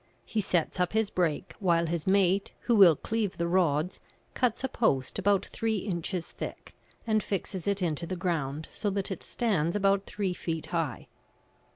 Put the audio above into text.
He sets up his brake, while his mate, who will cleave the rods, cuts a post about three inches thick, and fixes it into the ground so that it stands about three feet high.